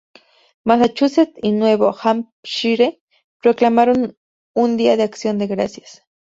Massachusetts y Nuevo Hampshire proclamaron un día de acción de gracias.